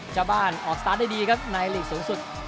ชาวบ้านออกสตาร์ทได้ดีครับในหลีกสูงสุด